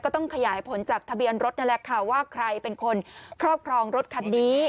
ต้องขยายผลจากทะเบียนรถนั่นแหละค่ะว่าใครเป็นคนครอบครองรถคันนี้